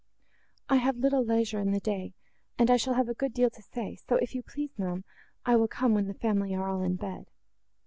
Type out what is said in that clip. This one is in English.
I have little leisure in the day, and I shall have a good deal to say; so, if you please, ma'am, I will come, when the family are all in bed."